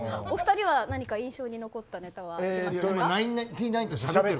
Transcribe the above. お二人は何か印象に残ったネタはありますか？